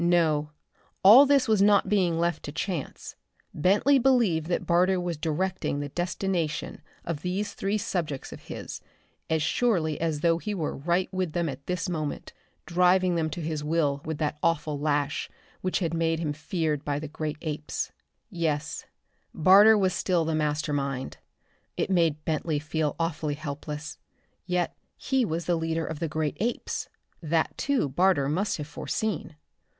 No, all this was not being left to chance. Bentley believed that Barter was directing the destination of these three subjects of his, as surely as though he were right with them at this moment, driving them to his will with that awful lash which had made him feared by the great apes. Yes, Barter was still the master mind. It made Bentley feel awfully helpless. Yet he was the leader of the great apes. That, too, Barter must have foreseen.